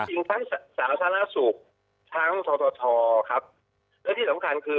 จริงทั้งสาธารณสุขทั้งททครับและที่สำคัญคือ